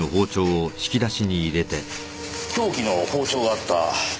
凶器の包丁があった